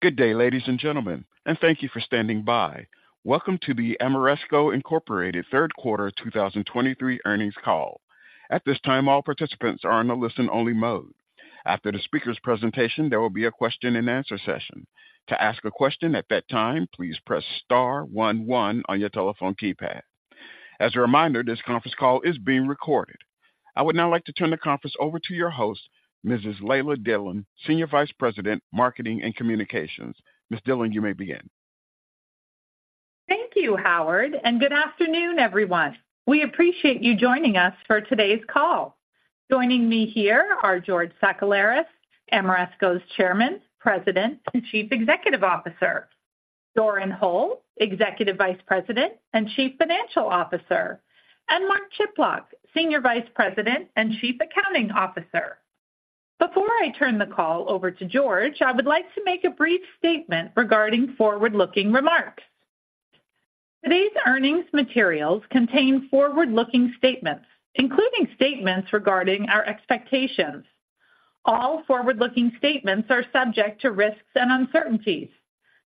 Good day, ladies and gentlemen, and thank you for standing by. Welcome to the Ameresco Incorporated third quarter 2023 earnings call. At this time, all participants are in a listen-only mode. After the speaker's presentation, there will be a question-and-answer session. To ask a question at that time, please press star one one on your telephone keypad. As a reminder, this conference call is being recorded. I would now like to turn the conference over to your host, Mrs. Leila Dillon, Senior Vice President, Marketing and Communications. Ms. Dillon, you may begin. Thank you, Howard, and good afternoon, everyone. We appreciate you joining us for today's call. Joining me here are George Sakellaris, Ameresco's Chairman, President, and Chief Executive Officer, Doran Hole, Executive Vice President and Chief Financial Officer, and Mark Chiplock, Senior Vice President and Chief Accounting Officer. Before I turn the call over to George, I would like to make a brief statement regarding forward-looking remarks. Today's earnings materials contain forward-looking statements, including statements regarding our expectations. All forward-looking statements are subject to risks and uncertainties.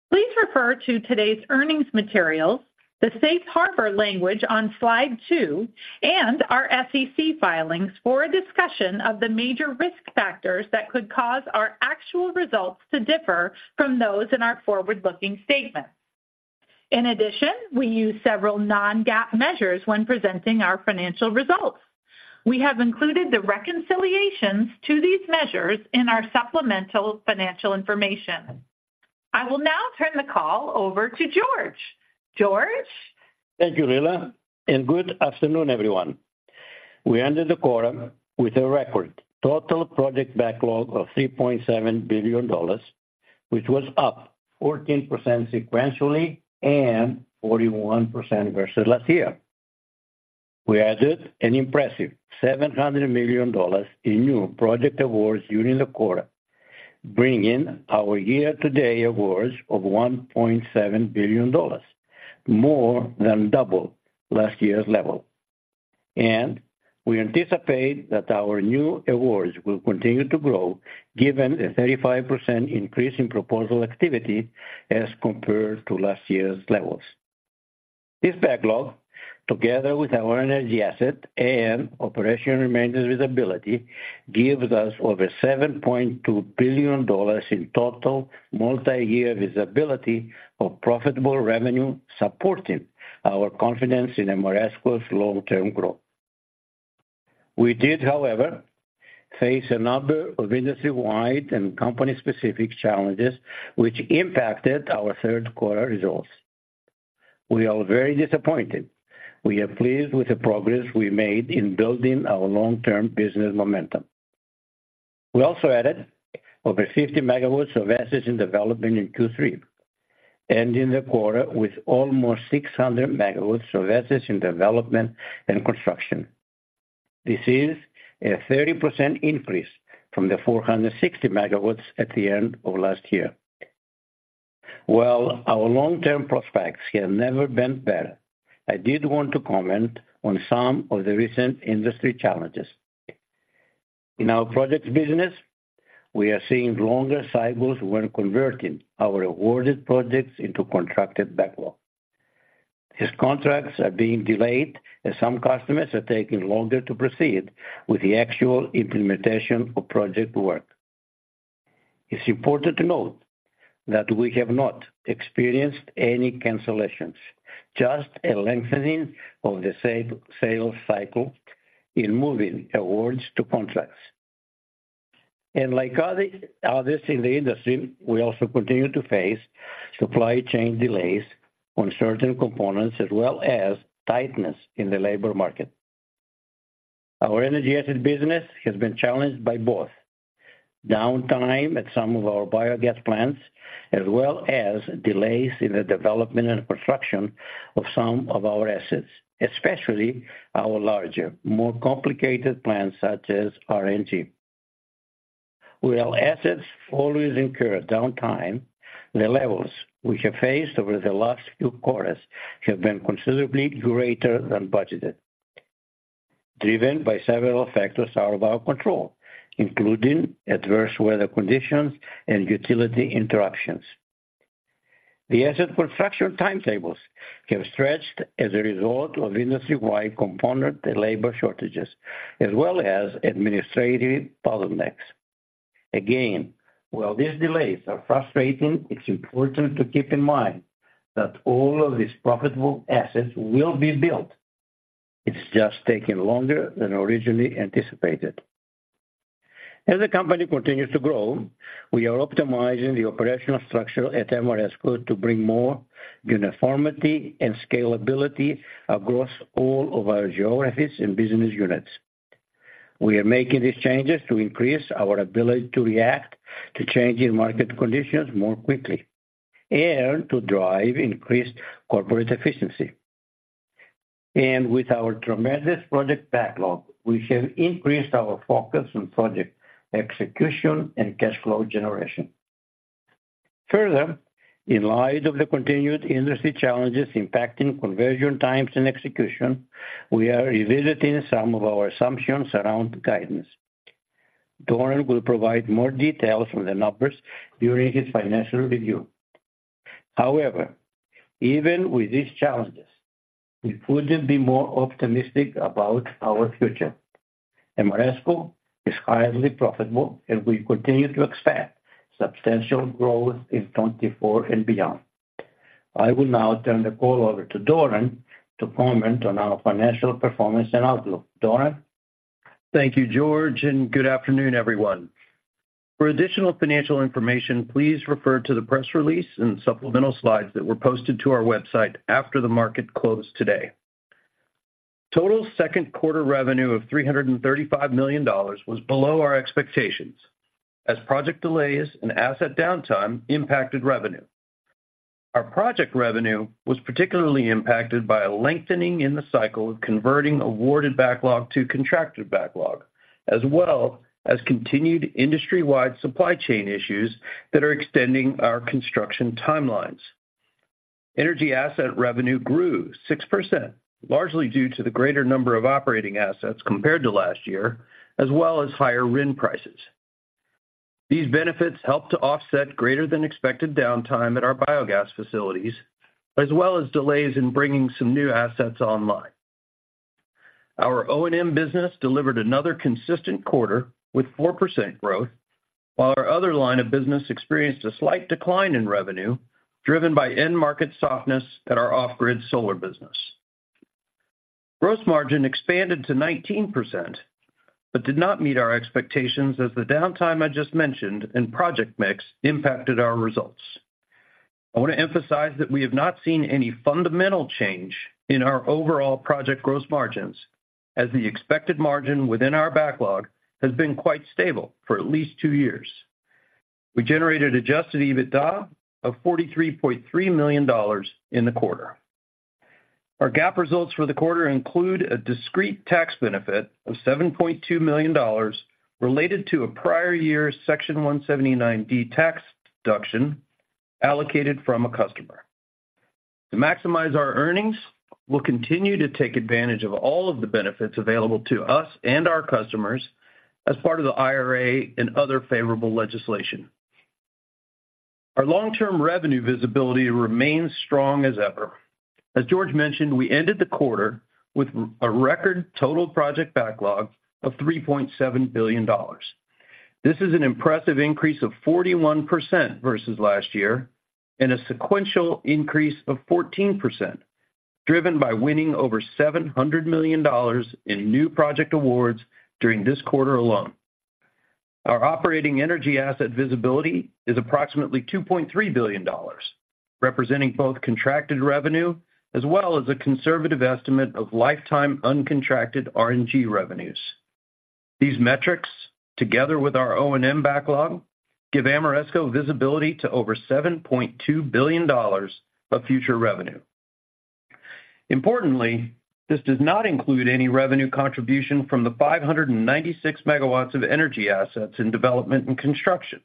Please refer to today's earnings materials, the safe harbor language on slide two, and our SEC filings for a discussion of the major risk factors that could cause our actual results to differ from those in our forward-looking statements. In addition, we use several non-GAAP measures when presenting our financial results. We have included the reconciliations to these measures in our supplemental financial information. I will now turn the call over to George. George? Thank you, Leila, and good afternoon, everyone. We ended the quarter with a record total project backlog of $3.7 billion, which was up 14% sequentially and 41% versus last year. We added an impressive $700 million in new project awards during the quarter, bringing our year-to-date awards of $1.7 billion, more than double last year's level. We anticipate that our new awards will continue to grow, given a 35% increase in proposal activity as compared to last year's levels. This backlog, together with our energy asset and operational maintenance visibility, gives us over $7.2 billion in total multiyear visibility of profitable revenue, supporting our confidence in Ameresco's long-term growth. We did, however, face a number of industry-wide and company-specific challenges which impacted our third-quarter results. We are very disappointed. We are pleased with the progress we made in building our long-term business momentum. We also added over 50 megawatts of assets in development in Q3, ending the quarter with almost 600 megawatts of assets in development and construction. This is a 30% increase from the 460 megawatts at the end of last year. While our long-term prospects have never been better, I did want to comment on some of the recent industry challenges. In our projects business, we are seeing longer cycles when converting our awarded projects into contracted backlog. These contracts are being delayed as some customers are taking longer to proceed with the actual implementation of project work. It's important to note that we have not experienced any cancellations, just a lengthening of the sales cycle in moving awards to contracts. Like others in the industry, we also continue to face supply chain delays on certain components, as well as tightness in the labor market. Our energy asset business has been challenged by both downtime at some of our biogas plants, as well as delays in the development and construction of some of our assets, especially our larger, more complicated plants, such as RNG. While assets always incur downtime, the levels we have faced over the last few quarters have been considerably greater than budgeted, driven by several factors out of our control, including adverse weather conditions and utility interruptions. The asset construction timetables have stretched as a result of industry-wide component and labor shortages, as well as administrative bottlenecks. Again, while these delays are frustrating, it's important to keep in mind that all of these profitable assets will be built. It's just taking longer than originally anticipated. As the company continues to grow, we are optimizing the operational structure at Ameresco to bring more uniformity and scalability across all of our geographies and business units. We are making these changes to increase our ability to react to changing market conditions more quickly and to drive increased corporate efficiency. And with our tremendous project backlog, we have increased our focus on project execution and cash flow generation. In light of the continued industry challenges impacting conversion times and execution, we are revisiting some of our assumptions around guidance. Doran will provide more details on the numbers during his financial review. However, even with these challenges, we couldn't be more optimistic about our future. Ameresco is highly profitable, and we continue to expect substantial growth in 2024 and beyond. I will now turn the call over to Doran to comment on our financial performance and outlook. Doran? Thank you, George, and good afternoon, everyone. For additional financial information, please refer to the press release and supplemental slides that were posted to our website after the market closed today. Total second quarter revenue of $335 million was below our expectations, as project delays and asset downtime impacted revenue. Our project revenue was particularly impacted by a lengthening in the cycle of converting awarded backlog to contracted backlog, as well as continued industry-wide supply chain issues that are extending our construction timelines. Energy asset revenue grew 6%, largely due to the greater number of operating assets compared to last year, as well as higher RIN prices. These benefits helped to offset greater-than-expected downtime at our biogas facilities, as well as delays in bringing some new assets online. Our O&M business delivered another consistent quarter with 4% growth, while our other line of business experienced a slight decline in revenue, driven by end-market softness at our off-grid solar business. Gross margin expanded to 19%, but did not meet our expectations as the downtime I just mentioned and project mix impacted our results. I want to emphasize that we have not seen any fundamental change in our overall project gross margins, as the expected margin within our backlog has been quite stable for at least two years. We generated adjusted EBITDA of $43.3 million in the quarter. Our GAAP results for the quarter include a discrete tax benefit of $7.2 million related to a prior year's Section 179D tax deduction allocated from a customer. To maximize our earnings, we'll continue to take advantage of all of the benefits available to us and our customers as part of the IRA and other favorable legislation. Our long-term revenue visibility remains strong as ever. As George mentioned, we ended the quarter with a record total project backlog of $3.7 billion. This is an impressive increase of 41% versus last year and a sequential increase of 14%, driven by winning over $700 million in new project awards during this quarter alone. Our operating energy asset visibility is approximately $2.3 billion, representing both contracted revenue as well as a conservative estimate of lifetime uncontracted RNG revenues. These metrics, together with our O&M backlog, give Ameresco visibility to over $7.2 billion of future revenue. Importantly, this does not include any revenue contribution from the 596 megawatts of energy assets in development and construction.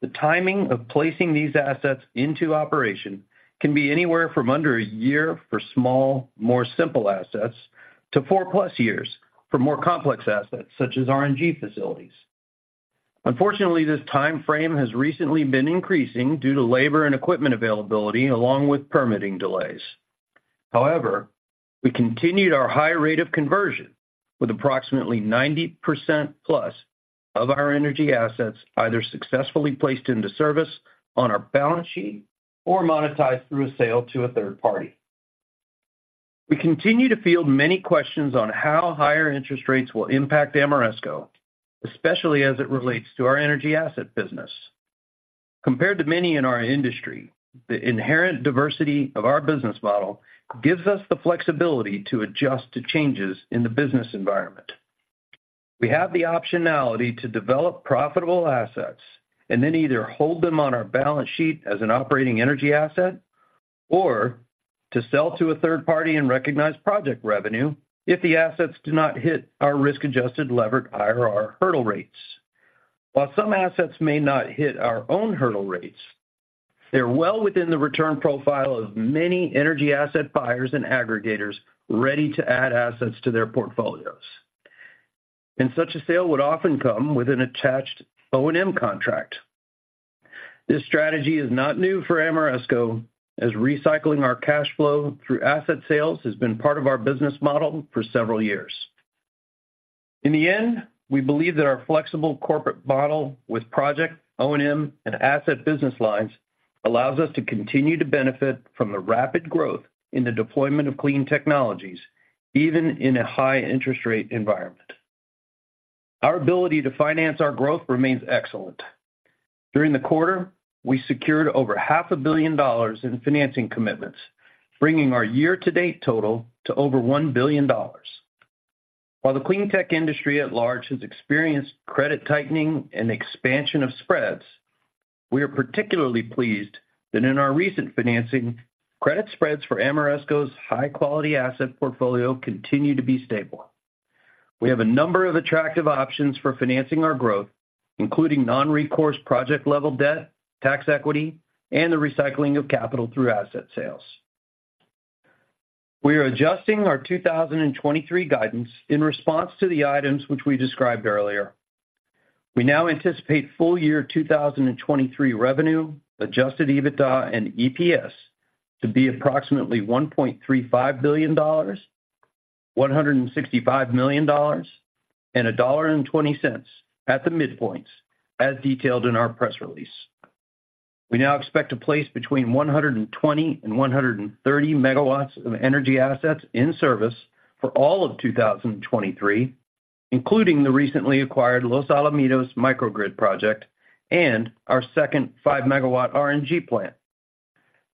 The timing of placing these assets into operation can be anywhere from under a year for small, more simple assets, to 4+ years for more complex assets, such as RNG facilities. Unfortunately, this timeframe has recently been increasing due to labor and equipment availability, along with permitting delays. However, we continued our high rate of conversion with approximately 90%+ of our energy assets either successfully placed into service on our balance sheet or monetized through a sale to a third party. We continue to field many questions on how higher interest rates will impact Ameresco, especially as it relates to our energy asset business. Compared to many in our industry, the inherent diversity of our business model gives us the flexibility to adjust to changes in the business environment. We have the optionality to develop profitable assets and then either hold them on our balance sheet as an operating energy asset, or to sell to a third party and recognize project revenue if the assets do not hit our risk-adjusted Levered IRR hurdle rates. While some assets may not hit our own hurdle rates, they're well within the return profile of many energy asset buyers and aggregators ready to add assets to their portfolios. Such a sale would often come with an attached O&M contract. This strategy is not new for Ameresco, as recycling our cash flow through asset sales has been part of our business model for several years. In the end, we believe that our flexible corporate model with project O&M and asset business lines allows us to continue to benefit from the rapid growth in the deployment of clean technologies, even in a high-interest rate environment. Our ability to finance our growth remains excellent. During the quarter, we secured over $500 million in financing commitments, bringing our year-to-date total to over $1 billion. While the clean tech industry at large has experienced credit tightening and expansion of spreads, we are particularly pleased that in our recent financing, credit spreads for Ameresco's high-quality asset portfolio continue to be stable. We have a number of attractive options for financing our growth, including non-recourse project-level debt, tax equity, and the recycling of capital through asset sales. We are adjusting our 2023 guidance in response to the items which we described earlier. We now anticipate full year 2023 revenue, Adjusted EBITDA and EPS to be approximately $1.35 billion, $165 million, and $1.20 at the midpoints, as detailed in our press release. We now expect to place between 120 and 130 megawatts of energy assets in service for all of 2023, including the recently acquired Los Alamitos microgrid project and our second 5-megawatt RNG plant.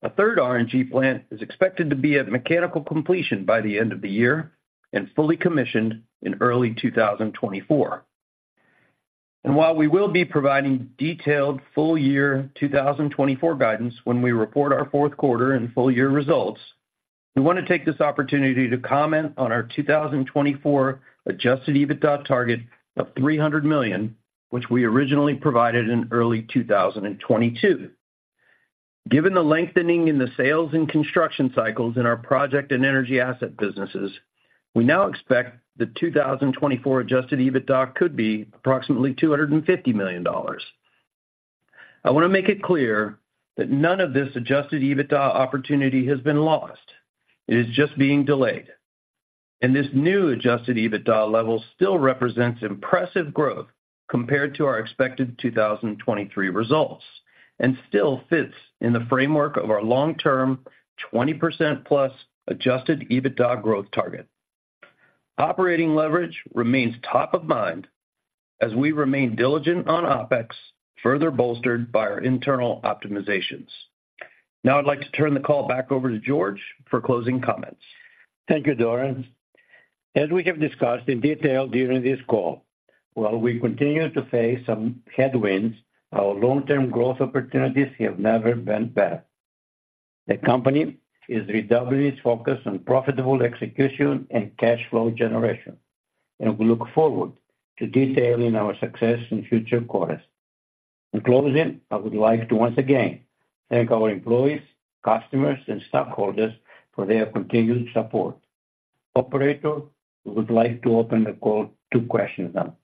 A third RNG plant is expected to be at mechanical completion by the end of the year and fully commissioned in early 2024. While we will be providing detailed full year 2024 guidance when we report our fourth quarter and full year results, we want to take this opportunity to comment on our 2024 Adjusted EBITDA target of $300 million, which we originally provided in early 2022. Given the lengthening in the sales and construction cycles in our project and energy asset businesses, we now expect the 2024 Adjusted EBITDA could be approximately $250 million. I want to make it clear that none of this Adjusted EBITDA opportunity has been lost. It is just being delayed, and this new Adjusted EBITDA level still represents impressive growth compared to our expected 2023 results, and still fits in the framework of our long-term 20%+ Adjusted EBITDA growth target. Operating leverage remains top of mind as we remain diligent on OpEx, further bolstered by our internal optimizations. Now I'd like to turn the call back over to George for closing comments. Thank you, Doran. As we have discussed in detail during this call, while we continue to face some headwinds, our long-term growth opportunities have never been better. The company is redoubling its focus on profitable execution and cash flow generation, and we look forward to detailing our success in future quarters. In closing, I would like to once again thank our employees, customers, and stockholders for their continued support. Operator, we would like to open the call to question now.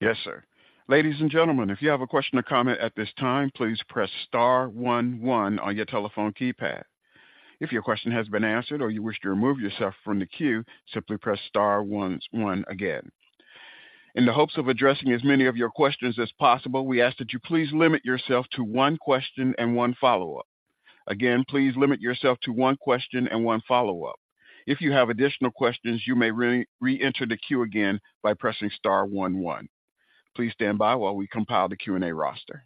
Yes, sir. Ladies and gentlemen, if you have a question or comment at this time, please press star one, one on your telephone keypad. If your question has been answered or you wish to remove yourself from the queue, simply press star one, one again. In the hopes of addressing as many of your questions as possible, we ask that you please limit yourself to one question and one follow-up. Again, please limit yourself to one question and one follow-up. If you have additional questions, you may reenter the queue again by pressing star one, one. Please stand by while we compile the Q&A roster.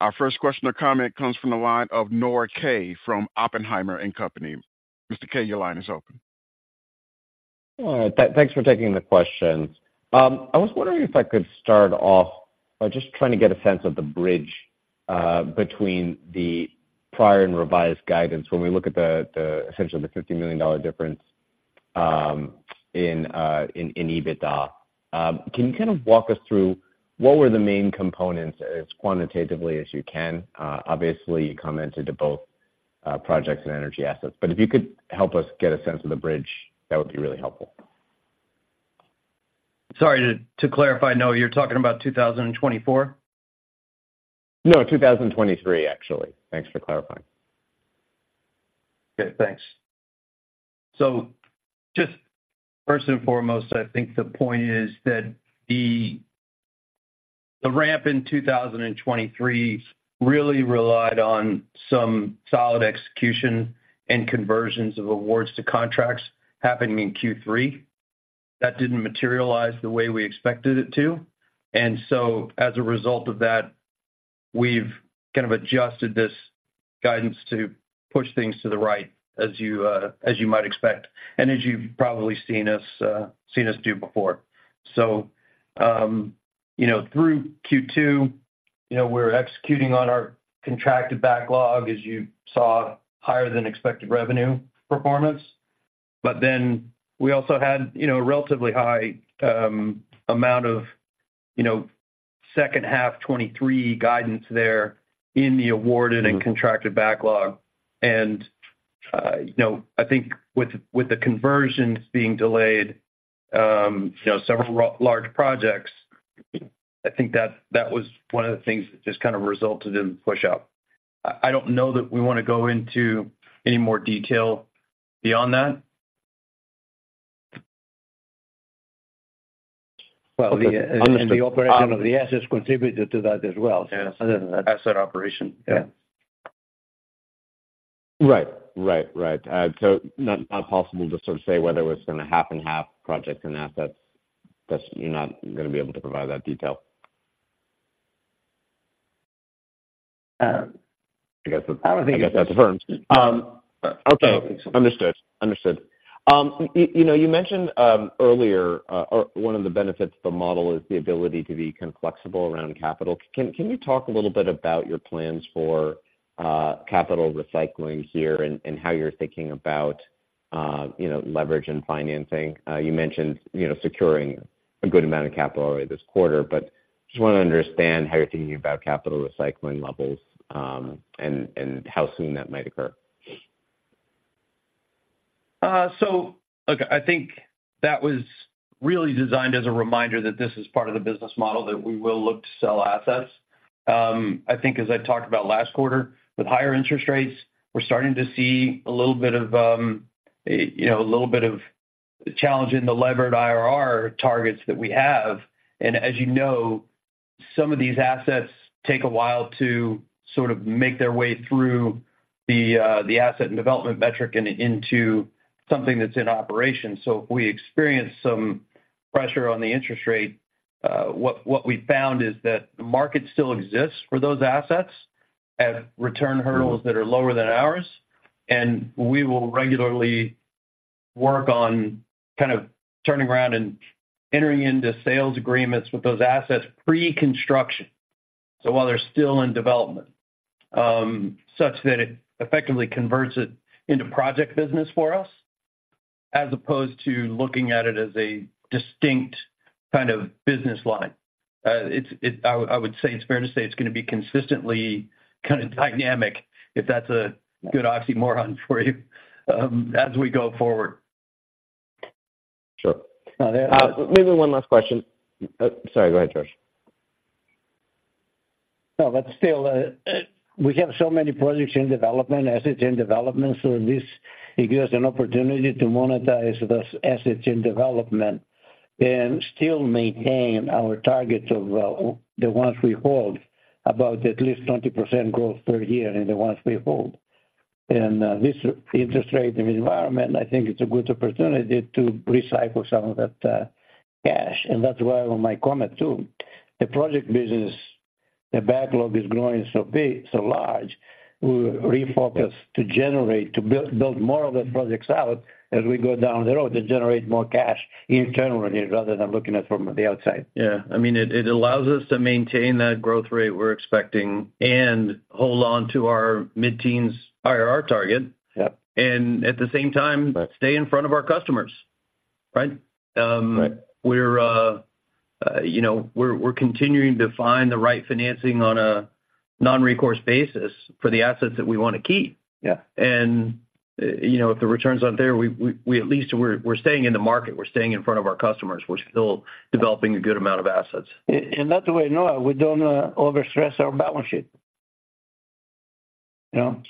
Our first question or comment comes from the line of Noah Kaye from Oppenheimer and Company. Mr. Kaye, your line is open. Thanks for taking the questions. I was wondering if I could start off by just trying to get a sense of the bridge between the prior and revised guidance. When we look at the essentially $50 million difference in EBITDA. Can you kind of walk us through what were the main components as quantitatively as you can? Obviously, you commented to both projects and energy assets, but if you could help us get a sense of the bridge, that would be really helpful. Sorry, to clarify, Noah, you're talking about 2024? No, 2023, actually. Thanks for clarifying. Okay, thanks. So just first and foremost, I think the point is that the ramp in 2023 really relied on some solid execution and conversions of awards to contracts happening in Q3. That didn't materialize the way we expected it to, and so as a result of that, we've kind of adjusted this guidance to push things to the right, as you might expect, and as you've probably seen us do before. So, you know, through Q2, you know, we're executing on our contracted backlog as you saw higher than expected revenue performance. But then we also had, you know, a relatively high amount of, you know, second half 2023 guidance there in the awarded and contracted backlog. And, you know, I think with, with the conversions being delayed, you know, several large projects, I think that, that was one of the things that just kind of resulted in the pushout. I, I don't know that we want to go into any more detail beyond that. Well, the Understood... the operation of the assets contributed to that as well. Yes. Asset operation. Yeah. Right. Right, right. So not possible to sort of say whether it was in a half and half projects and assets, that's, you're not gonna be able to provide that detail? I guess, I guess that's affirmed. Okay, understood. Understood. You know, you mentioned earlier, or one of the benefits of the model is the ability to be kind of flexible around capital. Can you talk a little bit about your plans for capital recycling here and how you're thinking about—you know, leverage and financing. You mentioned, you know, securing a good amount of capital already this quarter, but just want to understand how you're thinking about capital recycling levels, and how soon that might occur. So, look, I think that was really designed as a reminder that this is part of the business model, that we will look to sell assets. I think as I talked about last quarter, with higher interest rates, we're starting to see a little bit of, you know, a little bit of challenge in the levered IRR targets that we have. And as you know, some of these assets take a while to sort of make their way through the asset and development metric and into something that's in operation. So if we experience some pressure on the interest rate, what we found is that the market still exists for those assets at return hurdles that are lower than ours, and we will regularly work on kind of turning around and entering into sales agreements with those assets pre-construction, so while they're still in development, such that it effectively converts it into project business for us, as opposed to looking at it as a distinct kind of business line. I would say it's fair to say it's going to be consistently kind of dynamic, if that's a good oxymoron for you, as we go forward. Sure. Maybe one last question. Sorry, go ahead, George. No, but still, we have so many projects in development, assets in development, so this gives us an opportunity to monetize those assets in development and still maintain our targets of, the ones we hold, about at least 20% growth per year in the ones we hold. And, this interest rate environment, I think it's a good opportunity to recycle some of that, cash. And that's why on my comment too, the project business, the backlog is growing so big, so large, we refocused to generate, to build, build more of the projects out as we go down the road to generate more cash internally rather than looking at it from the outside. Yeah. I mean, it, it allows us to maintain that growth rate we're expecting and hold on to our mid-teens IRR target. Yep. At the same time, stay in front of our customers, right? Right. We're, you know, continuing to find the right financing on a non-recourse basis for the assets that we want to keep. Yeah. You know, if the returns aren't there, at least we're staying in the market, we're staying in front of our customers. We're still developing a good amount of assets. That way, Noah, we don't overstress our balance sheet. You know?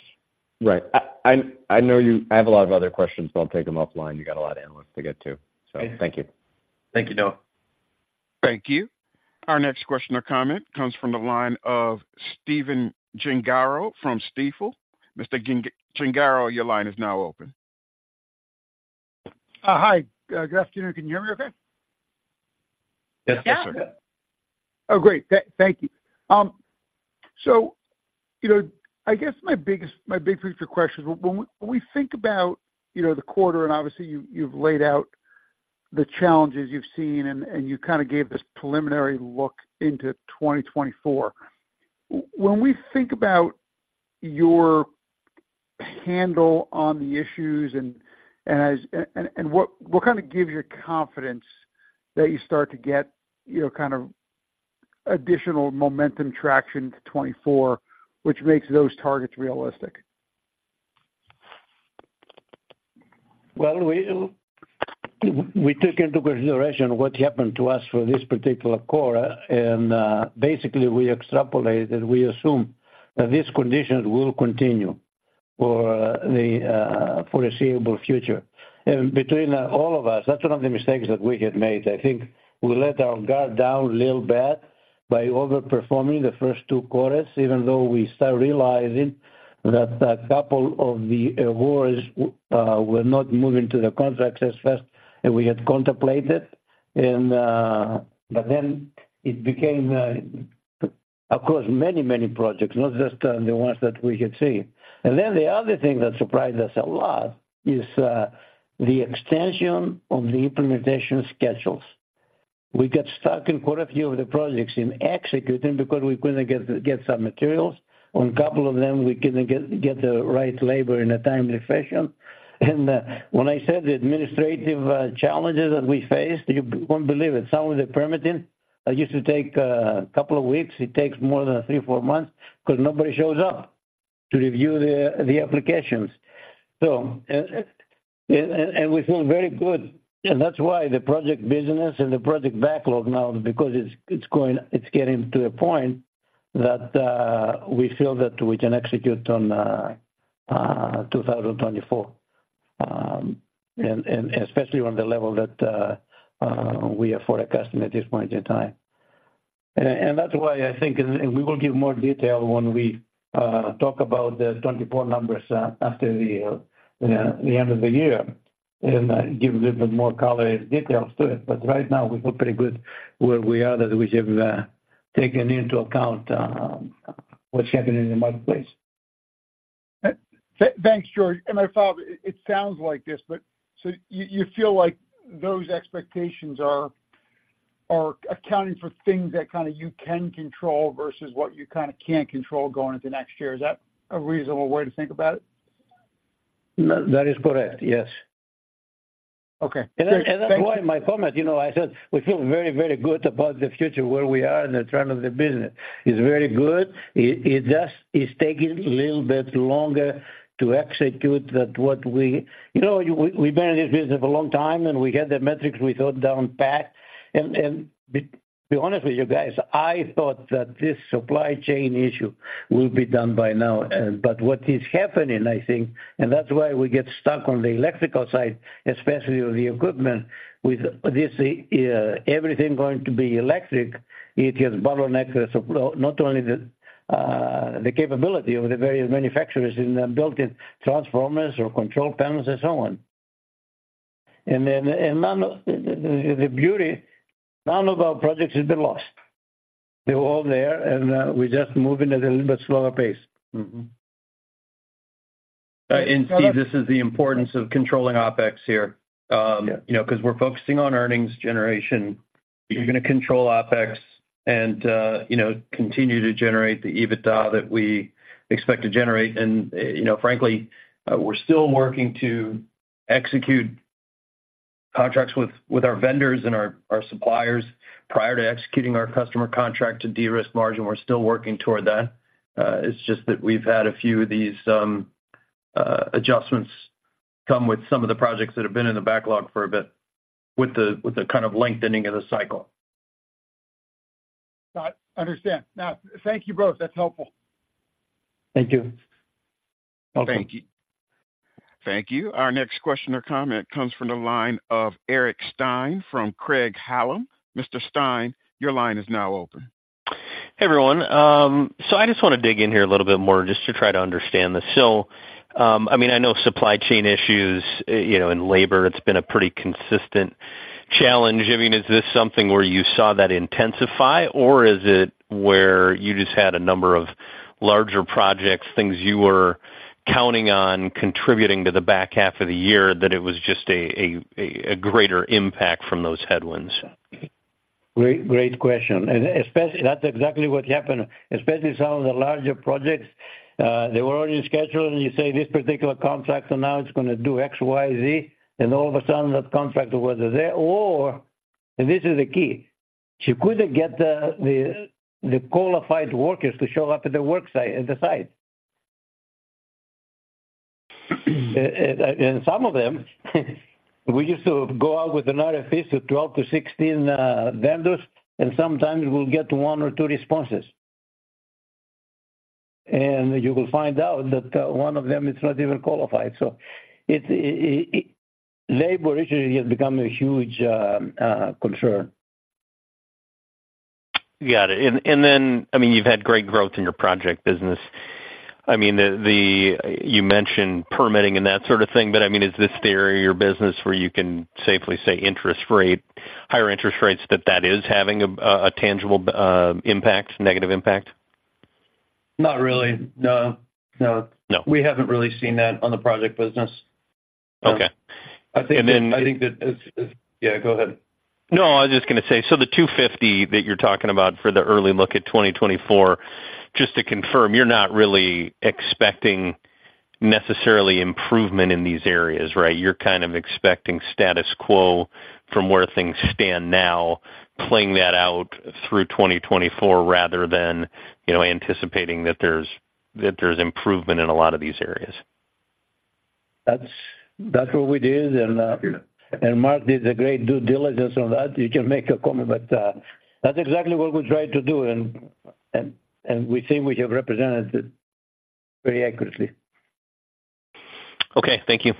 Right. I know you, I have a lot of other questions, but I'll take them offline. You got a lot of analysts to get to. Yeah. Thank you. Thank you, Noah. Thank you. Our next question or comment comes from the line of Stephen Gengaro from Stifel. Mr. Gengaro, your line is now open. Hi. Good afternoon. Can you hear me okay? Yes, sir. Yeah. Oh, great. Thank you. So, you know, I guess my biggest, my big picture question is when we think about, you know, the quarter, and obviously you, you've laid out the challenges you've seen and you kind of gave this preliminary look into 2024. When we think about your handle on the issues and what kind of gives you confidence that you start to get, you know, kind of additional momentum traction to 2024, which makes those targets realistic? Well, we took into consideration what happened to us for this particular quarter, and basically we extrapolated. We assume that these conditions will continue for the foreseeable future. And between all of us, that's one of the mistakes that we had made. I think we let our guard down a little bit by overperforming the first two quarters, even though we start realizing that a couple of the awards were not moving to the contracts as fast as we had contemplated. But then it became across many, many projects, not just the ones that we could see. And then the other thing that surprised us a lot is the extension of the implementation schedules. We got stuck in quite a few of the projects in executing because we couldn't get some materials. On a couple of them, we couldn't get the right labor in a timely fashion. When I said the administrative challenges that we faced, you won't believe it. Some of the permitting used to take a couple of weeks. It takes more than 3-4 months because nobody shows up to review the applications. So we feel very good, and that's why the project business and the project backlog now, because it's getting to a point that we feel that we can execute on 2024. And especially on the level that we afford a customer at this point in time. And that's why I think, and we will give more detail when we talk about the 2024 numbers, after the end of the year and give a little bit more color and details to it. But right now, we feel pretty good where we are, that we have taken into account what's happening in the marketplace. Thanks, George. And I thought it sounds like this, but so you feel like those expectations are accounting for things that kind of you can control versus what you kind of can't control going into next year. Is that a reasonable way to think about it? That is correct, yes. Okay. That's why in my comment, you know, I said we feel very, very good about the future, where we are in the trend of the business. It's very good. It just is taking a little bit longer to execute than what we— You know, we've been in this business a long time, and we have the metrics we thought down pat. And to be honest with you guys, I thought that this supply chain issue will be done by now. But what is happening, I think, and that's why we get stuck on the electrical side, especially with the equipment, with this everything going to be electric. It has bottlenecks of not only the capability of the various manufacturers in building transformers or control panels and so on. The beauty, none of our projects has been lost. They're all there, and we're just moving at a little bit slower pace. Mm-hmm. And Steve, this is the importance of controlling OpEx here. Yeah. You know, because we're focusing on earnings generation, we're going to control OpEx and, you know, continue to generate the EBITDA that we expect to generate. You know, frankly, we're still working to execute contracts with our vendors and our suppliers prior to executing our customer contract to de-risk margin. We're still working toward that. It's just that we've had a few of these adjustments come with some of the projects that have been in the backlog for a bit, with the kind of lengthening of the cycle. Got. Understand. Now, thank you both. That's helpful. Thank you. Thank you. Thank you. Our next question or comment comes from the line of Eric Stine from Craig-Hallum. Mr. Stine, your line is now open. Hey, everyone. So I just want to dig in here a little bit more just to try to understand this. So, I mean, I know supply chain issues, you know, and labor, it's been a pretty consistent challenge. I mean, is this something where you saw that intensify, or is it where you just had a number of larger projects, things you were counting on contributing to the back half of the year, that it was just a greater impact from those headwinds? Great, great question. And especially, that's exactly what happened, especially some of the larger projects. They were already scheduled, and you say this particular contract, so now it's going to do XYZ, and all of a sudden, that contract was there. Or, and this is the key, you couldn't get the qualified workers to show up at the work site, at the site. And some of them, we used to go out with an RFP to 12-16 vendors, and sometimes we'll get one or two responses. And you will find out that one of them is not even qualified. So it, labor issue has become a huge concern. Got it. And then, I mean, you've had great growth in your project business. I mean, the you mentioned permitting and that sort of thing, but I mean, is this the area of your business where you can safely say interest rate- higher interest rates, that that is having a tangible impact, negative impact? Not really. No, no. No. We haven't really seen that on the project business. Okay. I think- And then- I think that, it's... Yeah, go ahead. No, I was just going to say, so the $250 that you're talking about for the early look at 2024, just to confirm, you're not really expecting necessarily improvement in these areas, right? You're kind of expecting status quo from where things stand now, playing that out through 2024, rather than, you know, anticipating that there's, that there's improvement in a lot of these areas. That's, that's what we did, and, and Mark did a great due diligence on that. You can make a comment, but, that's exactly what we tried to do, and, and, and we think we have represented it very accurately. Okay, thank you.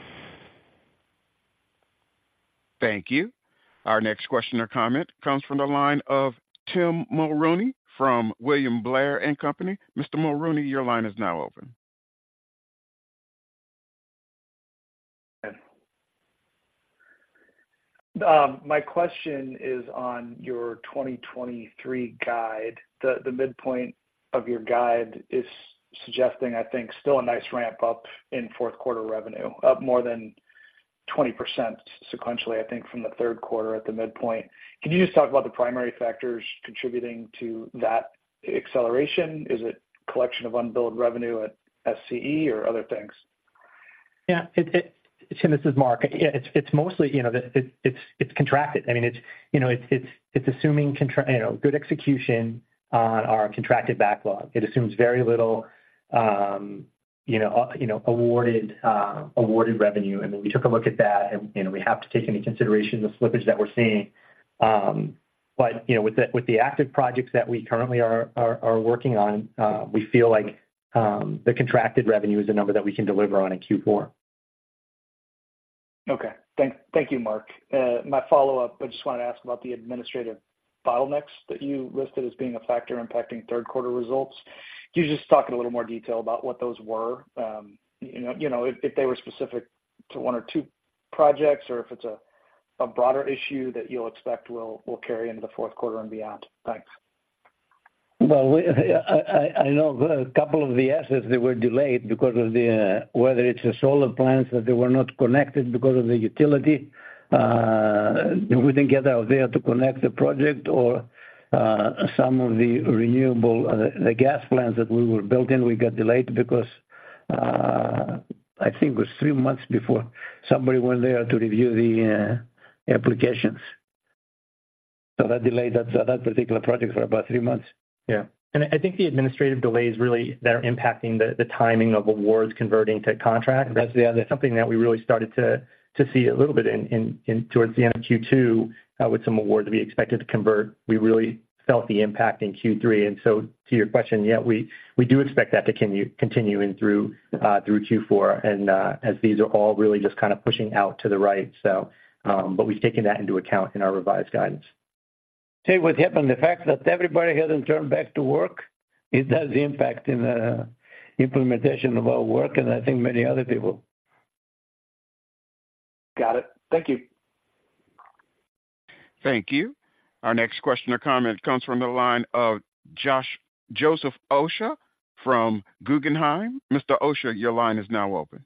Thank you. Our next question or comment comes from the line of Tim Mulrooney from William Blair & Company. Mr. Mulrooney, your line is now open. My question is on your 2023 guide. The midpoint of your guide is suggesting, I think, still a nice ramp up in fourth quarter revenue, up more than 20% sequentially, I think, from the third quarter at the midpoint. Can you just talk about the primary factors contributing to that acceleration? Is it collection of unbilled revenue at SCE or other things? Yeah, Tim, this is Mark. Yeah, it's mostly, you know, assuming good execution on our contracted backlog. It assumes very little, you know, awarded revenue. And then we took a look at that, and, you know, we have to take into consideration the slippage that we're seeing. But, you know, with the active projects that we currently are working on, we feel like the contracted revenue is a number that we can deliver on in Q4. Okay. Thank you, Mark. My follow-up, I just wanted to ask about the administrative bottlenecks that you listed as being a factor impacting third quarter results. Can you just talk in a little more detail about what those were? You know, if they were specific to one or two projects, or if it's a broader issue that you'll expect will carry into the fourth quarter and beyond? Thanks. Well, I know a couple of the assets that were delayed because of whether it's the solar plants that they were not connected because of the utility. We didn't get out there to connect the project or some of the renewable gas plants that we were built in. We got delayed because I think it was 3 months before somebody went there to review the applications. So that delayed that particular project for about 3 months. Yeah. And I think the administrative delays really that are impacting the timing of awards converting to contract, that's, yeah, that's something that we really started to see a little bit in towards the end of Q2 with some awards that we expected to convert. We really felt the impact in Q3. And so to your question, yeah, we do expect that to continue, continuing through Q4. And as these are all really just kind of pushing out to the right, so, but we've taken that into account in our revised guidance. See, what happened, the fact that everybody hasn't turned back to work, it does impact in the implementation of our work, and I think many other people. Got it. Thank you. Thank you. Our next question or comment comes from the line of Josh- Joseph Osha from Guggenheim. Mr. Osha, your line is now open.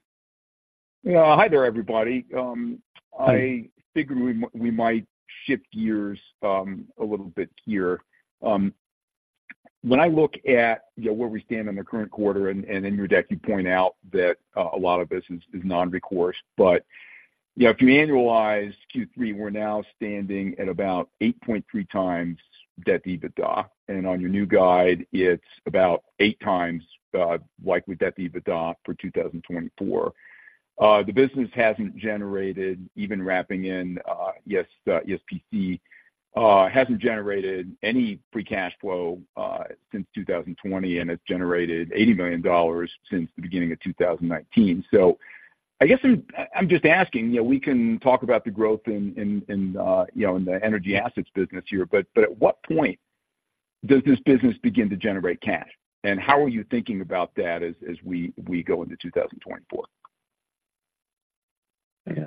Yeah. Hi there, everybody. I figured we might shift gears a little bit here. When I look at, you know, where we stand in the current quarter, and in your deck, you point out that a lot of business is non-recourse. But, you know, if you annualize Q3, we're now standing at about 8.3 times debt EBITDA. And on your new guide, it's about 8 times likely debt EBITDA for 2024. The business hasn't generated, even wrapping in ESPC, any free cash flow since 2020, and it's generated $80 million since the beginning of 2019. So I guess I'm just asking, you know, we can talk about the growth in the energy assets business here, but at what point does this business begin to generate cash? And how are you thinking about that as we go into 2024? Yeah.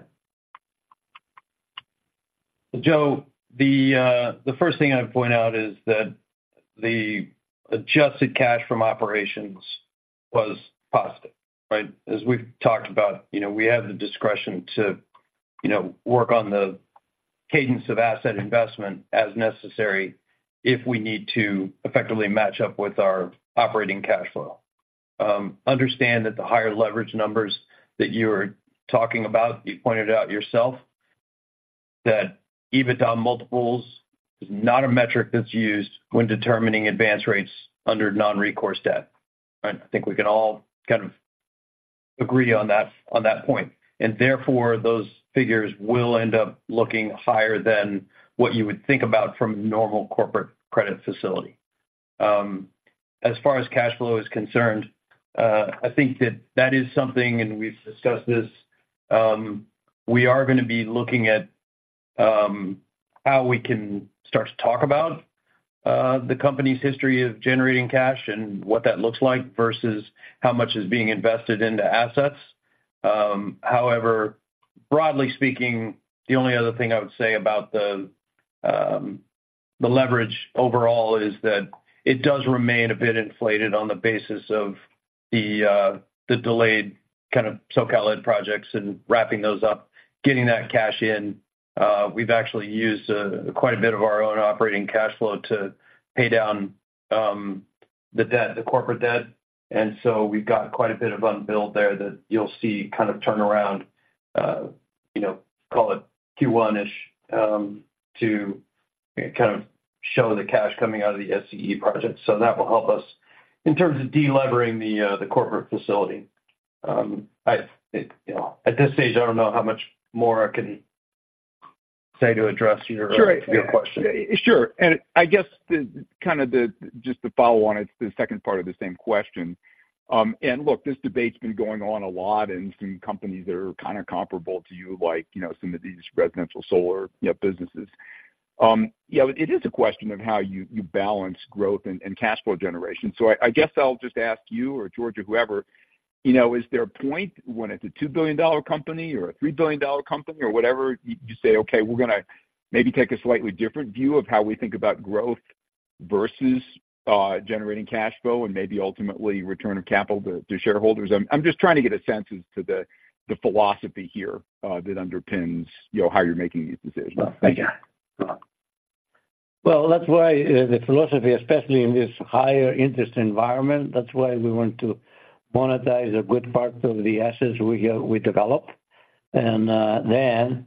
Joe, the first thing I'd point out is that the adjusted cash from operations was positive, right? As we've talked about, you know, we have the discretion to, you know, work on the cadence of asset investment as necessary if we need to effectively match up with our operating cash flow. Understand that the higher leverage numbers that you're talking about, you pointed out yourself, that EBITDA multiples is not a metric that's used when determining advance rates under non-recourse debt. I think we can all kind of agree on that, on that point, and therefore, those figures will end up looking higher than what you would think about from normal corporate credit facility. As far as cash flow is concerned, I think that that is something, and we've discussed this, we are gonna be looking at, how we can start to talk about, the company's history of generating cash and what that looks like versus how much is being invested into assets. However, broadly speaking, the only other thing I would say about the leverage overall is that it does remain a bit inflated on the basis of the delayed kind of SoCal Ed projects and wrapping those up, getting that cash in. We've actually used quite a bit of our own operating cash flow to pay down the debt, the corporate debt, and so we've got quite a bit of unbilled there that you'll see kind of turn around, you know, call it Q1-ish, to kind of show the cash coming out of the SCE project. So that will help us in terms of delevering the corporate facility. You know, at this stage, I don't know how much more I can say to address your- Sure. Your question. Sure. And I guess, kind of, just to follow on, it's the second part of the same question. And look, this debate's been going on a lot in some companies that are kind of comparable to you, like, you know, some of these residential solar, you know, businesses. Yeah, it is a question of how you, you balance growth and, and cash flow generation. So I guess I'll just ask you or George or whoever, you know, is there a point when it's a $2 billion-dollar company or a $3 billion-dollar company or whatever, you say, "Okay, we're gonna maybe take a slightly different view of how we think about growth versus generating cash flow and maybe ultimately return of capital to shareholders?" I'm just trying to get a sense as to the philosophy here that underpins, you know, how you're making these decisions. Thank you. Yeah. Well, that's why, the philosophy, especially in this higher interest environment, that's why we want to monetize a good part of the assets we have we develop, and then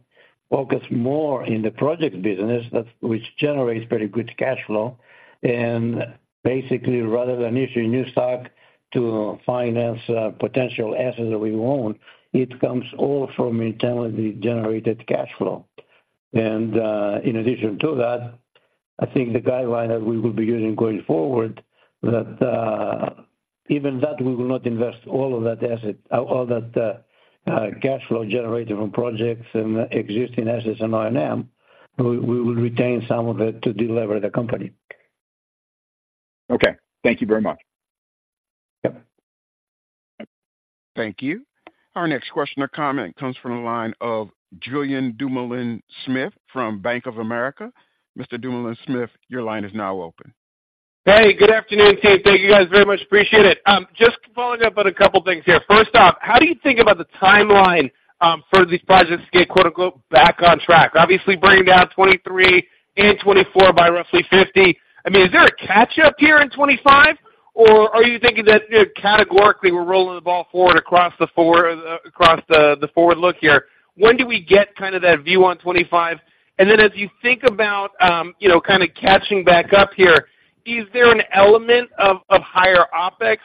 focus more in the project business that's which generates pretty good cash flow. And basically, rather than issuing new stock to finance potential assets that we own, it comes all from internally generated cash flow. And in addition to that, I think the guideline that we will be using going forward, that even that we will not invest all of that all that cash flow generated from projects and existing assets and O&M, we will retain some of it to delever the company. Okay. Thank you very much.... Thank you. Our next question or comment comes from the line of Julien Dumoulin-Smith from Bank of America. Mr. Dumoulin-Smith, your line is now open. Hey, good afternoon, team. Thank you, guys, very much appreciate it. Just following up on a couple things here. First off, how do you think about the timeline for these projects to get, quote-unquote, back on track? Obviously, bringing down 2023 and 2024 by roughly 50. I mean, is there a catch-up here in 2025, or are you thinking that, you know, categorically, we're rolling the ball forward across the four, across the forward look here? When do we get kind of that view on 2025? And then as you think about, you know, kind of catching back up here, is there an element of higher OpEx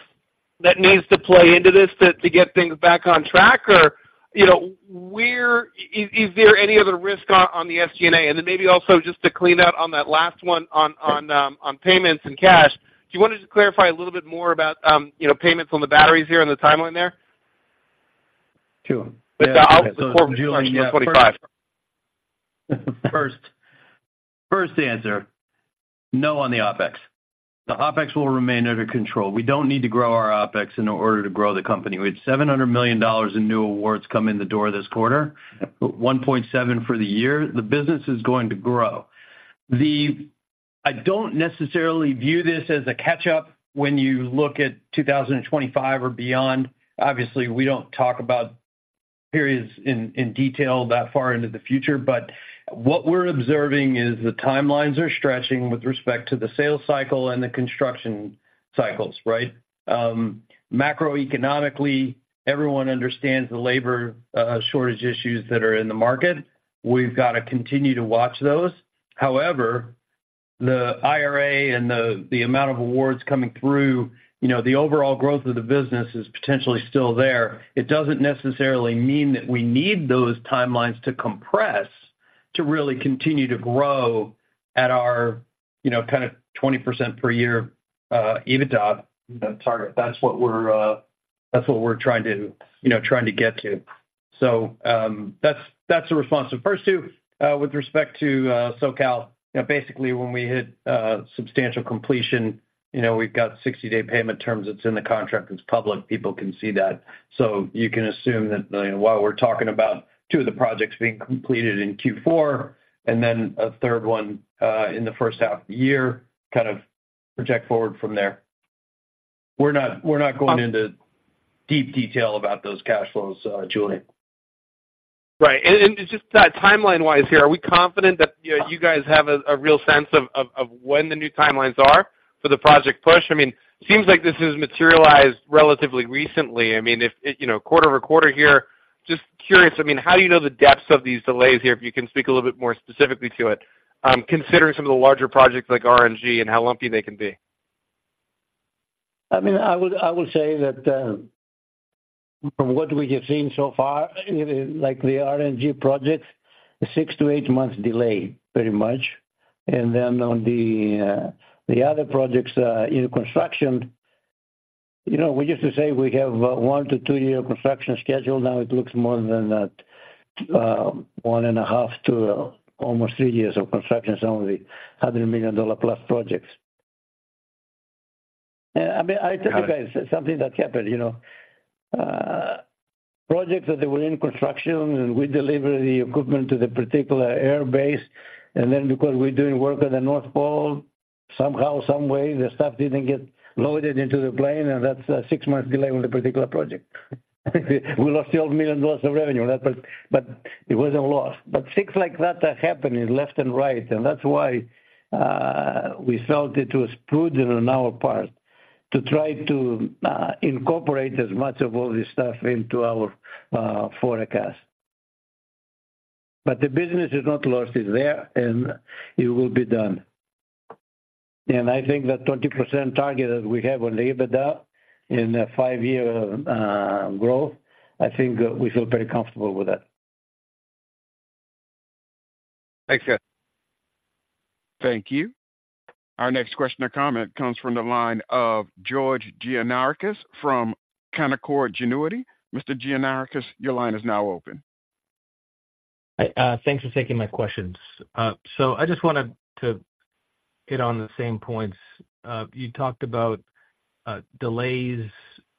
that needs to play into this to get things back on track? Or, you know, where is there any other risk on the SG&A? And then maybe also just to clean up on that last one on payments and cash, do you want to just clarify a little bit more about, you know, payments on the batteries here and the timeline there? Sure. But that will support 25. First answer, no, on the OpEx. The OpEx will remain under control. We don't need to grow our OpEx in order to grow the company. We had $700 million in new awards come in the door this quarter, $1.7 billion for the year. The business is going to grow. I don't necessarily view this as a catch-up when you look at 2025 or beyond. Obviously, we don't talk about periods in detail that far into the future, but what we're observing is the timelines are stretching with respect to the sales cycle and the construction cycles, right? Macroeconomically, everyone understands the labor shortage issues that are in the market. We've got to continue to watch those. However, the IRA and the amount of awards coming through, you know, the overall growth of the business is potentially still there. It doesn't necessarily mean that we need those timelines to compress to really continue to grow at our, you know, kind of 20% per year EBITDA target. That's what we're, that's what we're trying to, you know, trying to get to. So, that's the response to the first two. With respect to SoCal, you know, basically when we hit substantial completion, you know, we've got 60-day payment terms. It's in the contract, it's public, people can see that. So you can assume that, you know, while we're talking about two of the projects being completed in Q4, and then a third one in the first half of the year, kind of project forward from there. We're not going into deep detail about those cash flows, Julian. Right. And just timeline-wise here, are we confident that, you know, you guys have a real sense of when the new timelines are for the project push? I mean, seems like this has materialized relatively recently. I mean, if, you know, quarter over quarter here, just curious, I mean, how do you know the depths of these delays here? If you can speak a little bit more specifically to it, considering some of the larger projects like RNG and how lumpy they can be. I mean, I would, I would say that, from what we have seen so far, like the RNG project, 6-8 months delay, pretty much. And then on the, the other projects, in construction, you know, we used to say we have 1-2-year construction schedule. Now it looks more than that, 1.5 to almost 3 years of construction, some of the $100 million-plus projects. And, I mean, I tell you guys something that happened, you know. Projects that they were in construction, and we deliver the equipment to the particular air base, and then because we're doing work on the North Pole, somehow, some way, the stuff didn't get loaded into the plane, and that's a 6-month delay on the particular project. We lost $12 million of revenue on that one, but it was a loss. But things like that are happening left and right, and that's why we felt it was prudent on our part to try to incorporate as much of all this stuff into our forecast. But the business is not lost, it's there, and it will be done. And I think the 20% target that we have on EBITDA in a five-year growth, I think we feel very comfortable with that. Thanks, guys. Thank you. Our next question or comment comes from the line of George Gianarikas from Canaccord Genuity. Mr. Gianarikas, your line is now open. Hi, thanks for taking my questions. So I just wanted to get on the same points. You talked about delays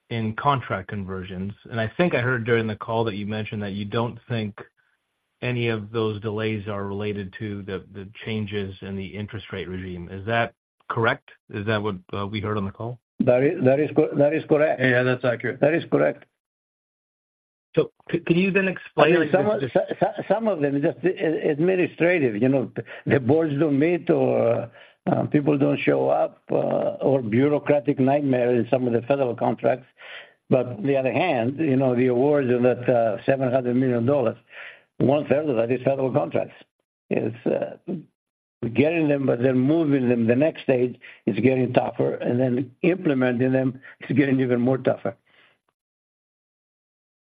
in contract conversions, and I think I heard during the call that you mentioned that you don't think any of those delays are related to the changes in the interest rate regime. Is that correct? Is that what we heard on the call? That is, that is correct. Yeah, that's accurate. That is correct. Can you then explain- Some of them, some of them are just administrative, you know. The boards don't meet or, people don't show up, or bureaucratic nightmare in some of the federal contracts. But on the other hand, you know, the awards are that $700 million. One third of that is federal contracts. It's getting them, but then moving them the next stage is getting tougher, and then implementing them is getting even more tougher.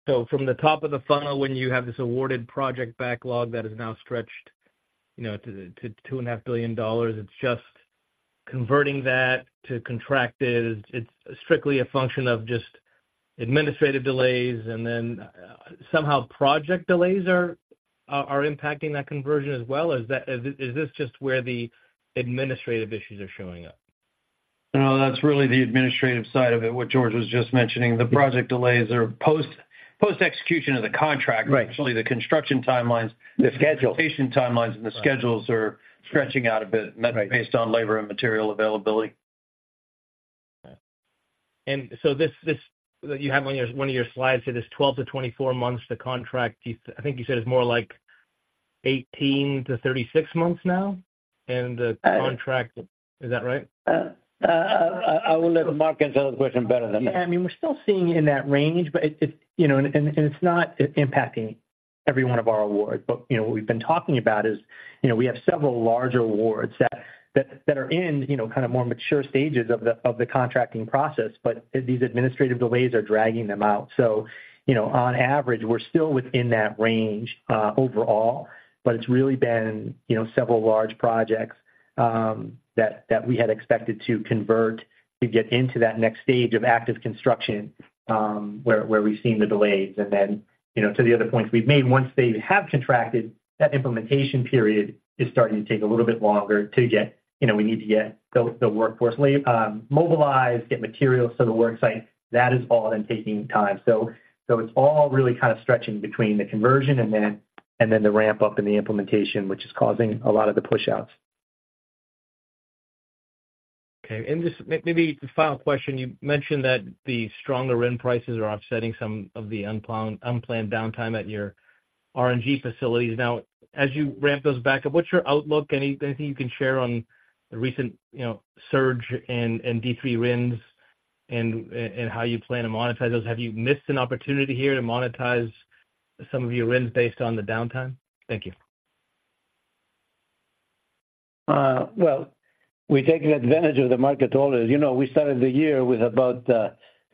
So from the top of the funnel, when you have this awarded project backlog that is now stretched, you know, to $2.5 billion, it's just converting that to contracted. It's strictly a function of just administrative delays, and then somehow project delays are impacting that conversion as well? Is that... Is this just where the administrative issues are showing up?... No, that's really the administrative side of it, what George was just mentioning. The project delays are post-execution of the contract. Right. Actually, the construction timelines- The schedule. Implementation timelines and the schedules are stretching out a bit- Right. -based on labor and material availability. So this that you have on one of your slides, so this 12-24 months to contract, you, I think you said it's more like 18-36 months now, and the contract, is that right? I will let Mark answer the question better than me. Yeah, I mean, we're still seeing in that range, but it, you know, and it's not impacting every one of our awards. But, you know, what we've been talking about is, you know, we have several larger awards that are in, you know, kind of more mature stages of the contracting process, but these administrative delays are dragging them out. So, you know, on average, we're still within that range overall, but it's really been, you know, several large projects that we had expected to convert to get into that next stage of active construction, where we've seen the delays. And then, you know, to the other points we've made, once they have contracted, that implementation period is starting to take a little bit longer to get, you know, we need to get the workforce labor mobilized, get materials to the work site. That is all then taking time. So, it's all really kind of stretching between the conversion and then the ramp up in the implementation, which is causing a lot of the pushouts. Okay. And just maybe the final question, you mentioned that the stronger RIN prices are offsetting some of the unplanned downtime at your RNG facilities. Now, as you ramp those back up, what's your outlook? Anything you can share on the recent, you know, surge in D3 RINs and how you plan to monetize those? Have you missed an opportunity here to monetize some of your RINs based on the downtime? Thank you. Well, we're taking advantage of the market always. You know, we started the year with about